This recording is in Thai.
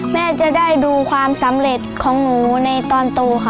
แม่จะได้ดูความสำเร็จของหนูในตอนโตค่ะ